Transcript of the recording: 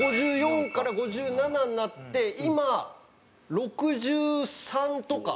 ５４から５７になって今６３とか。